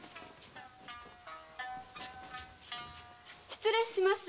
失礼します。